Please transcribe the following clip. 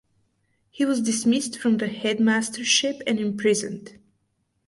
He was dismissed from the headmastership and imprisoned.